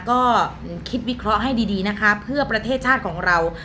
ก็คิดวิเคราะห์ให้ดีนะคะเพื่อประเทศชาติของเรา